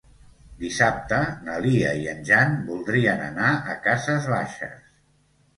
Dissabte na Lia i en Jan voldrien anar a Cases Baixes.